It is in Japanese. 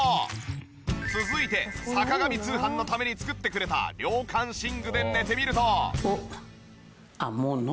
続いて『坂上通販』のために作ってくれた涼感寝具で寝てみると。